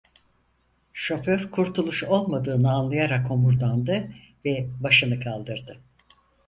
Şoför kurtuluş olmadığını anlayarak homurdandı ve başını kaldırdı.